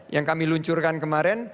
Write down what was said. yang kami luncurkan kemarin